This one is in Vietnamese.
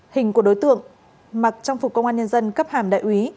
hình của đối tượng mặc trang phục công an nhân dân cấp hàm đại úy